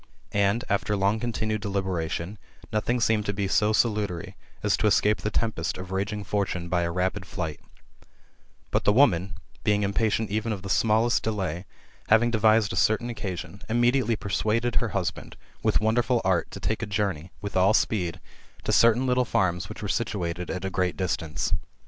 And, after long I|S THB lflTA]IORPH08I% OE cooliaqed delibeiatioii, noUiiiig aeened to be so Mdutary, as to mcKpt the tempest of laging Fortune by a rapid flight But the wimaoy being impatient even of the smallest delay, having de vised a certain occasion, immediately persuaded her husband, with wonderful art, to take a journey, with all speed, to certain little fiums mtndtk were situated at a great distance.